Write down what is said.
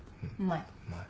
うまい？